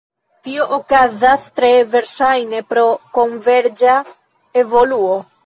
Tio okazas tre verŝajne pro konverĝa evoluo.